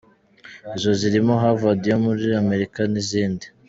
Izo zirimo Havard yo muri Amerika n’izindi.